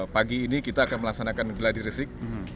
pagi ini kita akan melaksanakan geladi resik